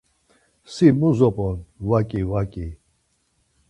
Si mu zop̌on vaǩi vaǩi?!